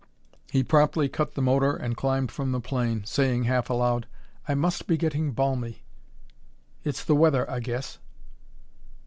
He promptly cut the motor and climbed from the plane, saying, half aloud; "I must be getting balmy. It's the weather, I guess."